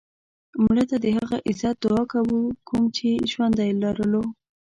مړه ته د هغه عزت دعا کوو کوم یې چې ژوندی لرلو